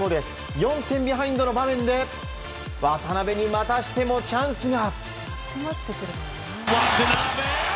４点ビハインドの場面で渡邊にまたしてもチャンスが。